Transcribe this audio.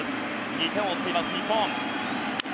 ２点を追っています日本。